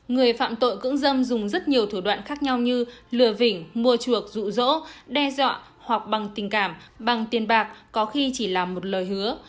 người phạm tội cưỡng dâm dùng rất nhiều thủ đoạn khác nhau như lừa phỉnh mua chuộc rụ rỗ đe dọa hoặc bằng tình cảm bằng tiền bạc có khi chỉ là một lời hứa